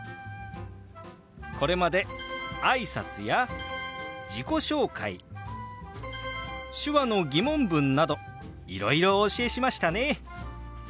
これまで挨拶や自己紹介手話の疑問文などいろいろお教えしましたね。